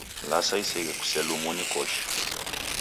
Lasa iseghe, kuselumo ni koshi.